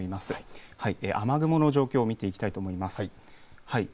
はい、雨雲の状況を見ていきたいと思います。